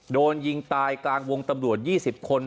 โดนยิงตายกลางวงตำรวจ๒๐คน